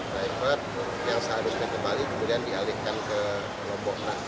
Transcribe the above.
private yang seharusnya ke bali kemudian dialihkan ke lombok